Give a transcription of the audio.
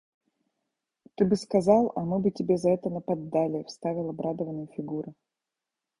Ты бы сказал, а мы бы тебе за это наподдали, – вставил обрадованный Фигура.